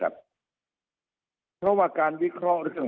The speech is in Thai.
แบบนี้ต้องใช้ความรู้เฉพาะด้านถึงจะวิเคราะห์ได้